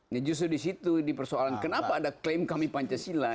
nah justru di situ di persoalan kenapa ada klaim kami pancasila